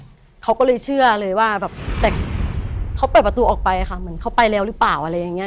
เขาก็เลยเชื่อเลยว่าแบบแต่เขาเปิดประตูออกไปค่ะเหมือนเขาไปแล้วหรือเปล่าอะไรอย่างเงี้